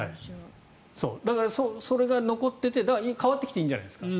それが残っていてだから変わってきていいんじゃないですか？